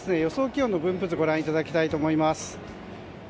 気温の分布図をご覧いただきたいと思います。